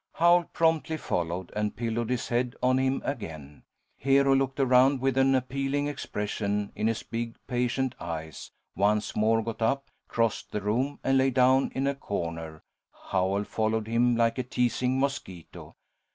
Howl promptly followed, and pillowed his head on him again. Hero looked around with an appealing expression in his big, patient eyes, once more got up, crossed the room, and lay down in a corner. Howell followed him like a teasing mosquito.